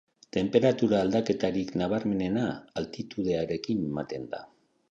Tenperatura aldaketarik nabarmenena altitudearekin ematen da.